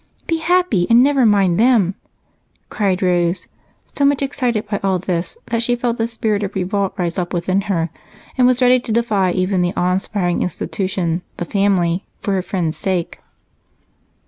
Be happy, and never mind them," cried Rose, so much excited by all this that she felt the spirit of revolt rise up within her and was ready to defy even that awe inspiring institution "the family" for her friend's sake.